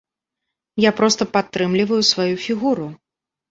Я проста падтрымліваю сваю фігуру.